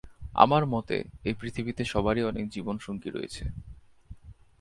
আমার মতে, এই পৃথিবীতে, সবারই অনেক জীবনসঙ্গী রয়েছে।